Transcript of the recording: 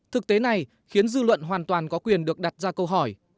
thực tế này khiến dư luận hoàn toàn có quyền được đặt ra câu hỏi